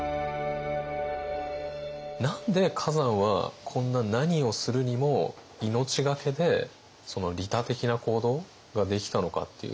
何で崋山はこんな何をするにも命懸けで利他的な行動ができたのかっていう。